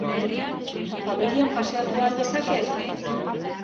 Familian paseatu al dezaket?